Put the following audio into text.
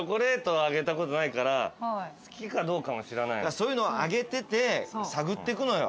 そういうのはあげてって探ってくのよ。